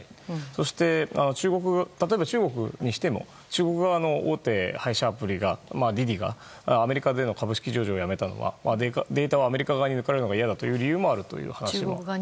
そして、中国にしても中国側の大手配車アプリのＤｉＤｉがアメリカでの株式上場をやめたのはデータをアメリカ側に抜かれるのが嫌だという話があります。